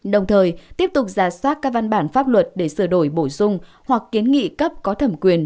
đồng thời tiếp tục giả soát các văn bản pháp luật để sửa đổi bổ sung hoặc kiến nghị cấp có thẩm quyền